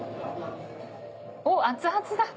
おっ熱々だ。